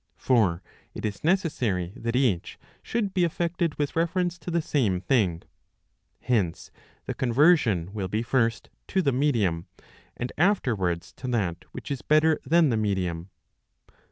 For it is necessary that each should be effected with reference to the same thing. Hence the conversion will be first to the medium, and afterwards to that which is better than the medium.